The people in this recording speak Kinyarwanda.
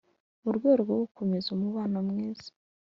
mu rwego rwo gukomeza umubano mwiza,